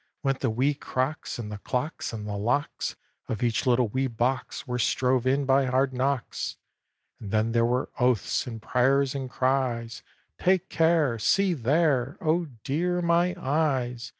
went the wee crocks, and the clocks, and the locks Of each little wee box were stove in by hard knocks; And then there were oaths, and prayers, and cries "Take care!" "See there!" "Oh, dear! my eyes!"